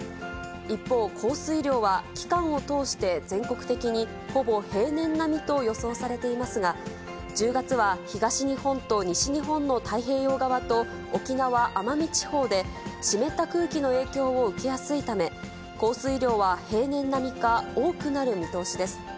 一方、降水量は期間を通して全国的にほぼ平年並みと予想されていますが、１０月は東日本と西日本の太平洋側と、沖縄・奄美地方で、湿った空気の影響を受けやすいため、降水量は平年並みか、多くなる見通しです。